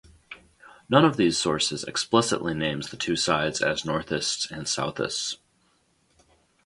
None of these sources explicitly names the two sides as Northists and Southists.